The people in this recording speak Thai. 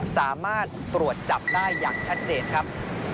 สามารถตรวจจับได้อย่างชัดเจนครับ